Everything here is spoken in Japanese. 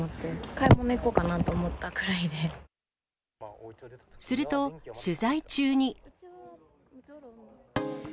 買い物行こうかなと思ったくらいすると、取材中に。